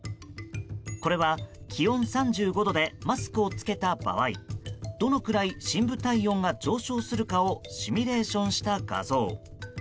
これは、気温３５度でマスクを着けた場合どのくらい深部体温が上昇するかをシミュレーションした画像。